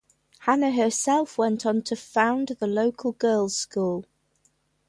Hannah herself went on to found the local girls' school.